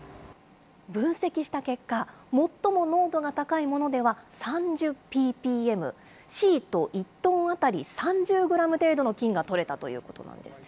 分析した結果、最も濃度が高いものでは３０ｐｐｍ、シート１トン当たり３０グラム程度の金が採れたということなんです。